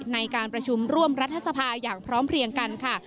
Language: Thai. ในการประชุมร่วมรัฐสภาอย่างพร้อมเพลียงกันค่ะ